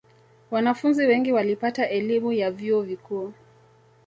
wanafunzi wengi walipata elimu ya vyuo vikuu